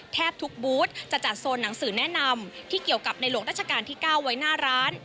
แทบทุกบูธจะจัดโซนหนังสือแนะนำที่เกี่ยวกับในหลวงราชการที่๙ไว้หน้าร้าน